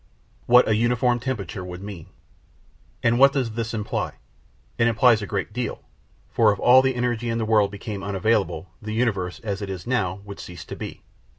What a Uniform Temperature would mean And what does this imply? It implies a great deal: for if all the energy in the world became unavailable, the universe, as it now is, would cease to be.